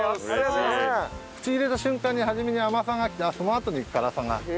口に入れた瞬間に初めに甘さがきてそのあとに辛さが。